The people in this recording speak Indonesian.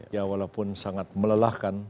ya walaupun sangat melelahkan